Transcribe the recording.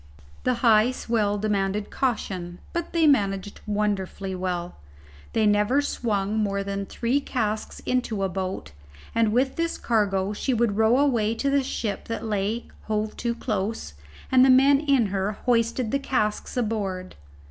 The high swell demanded caution, but they managed wonderfully well. They never swung more than three casks into a boat, and with this cargo she would row away to the ship that lay hove to close, and the men in her hoisted the casks aboard.